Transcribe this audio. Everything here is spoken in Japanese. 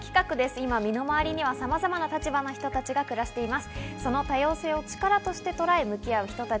今、身の回りには様々な立場の人たちが暮らしています。